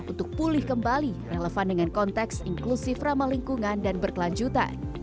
untuk pulih kembali relevan dengan konteks inklusif ramah lingkungan dan berkelanjutan